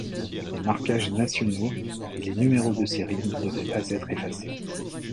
Les marquages nationaux et les numéros de série ne devaient pas être effacés.